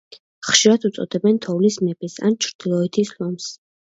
ხშირად უწოდებენ „თოვლის მეფეს“ ან „ჩრდილოეთის ლომს“.